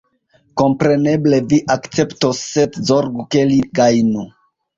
Kompreneble vi akceptos, sed zorgu, ke li gajnu.